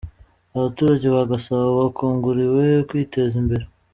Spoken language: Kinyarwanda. Abaturage ba Gasabo bakanguriwe kwiteza imbere